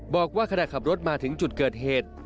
บอกว่าขณะขับรถมาถึงจุดเกิดเหตุ